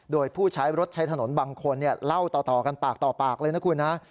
โดยผู้ใช้รถใช้ถนนบางคนเล่าต่อกันปากต่อปากเลยนะคุณนะ